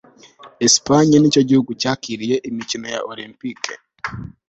espagne nicyo gihugu cyakiriye imikino olempike